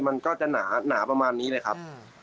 มันก็จะหนาประมาณนี้เลยครับ